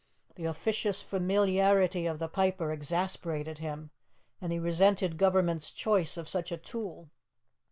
The officious familiarity of the piper exasperated him, and he resented Government's choice of such a tool.